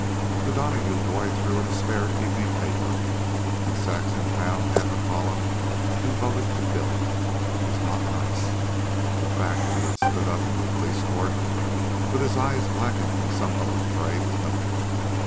The Donahue boy threw in a spare evening paper, and Saxon found half a column devoted to Billy. It was not nice. The fact that he had stood up in the police court with his eyes blacked from some other fray was noted.